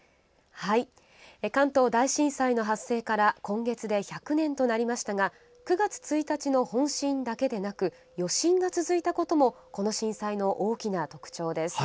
関東大震災の発生から今月で１００年となりましたが９月１日の本震だけでなく余震が続いたこともこの震災の大きな特徴です。